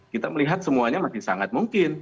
kita melihat semuanya masih sangat mungkin